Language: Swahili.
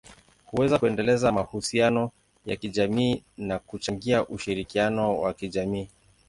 huweza kuendeleza mahusiano ya kijamii na kuchangia ushirikiano wa kijamii.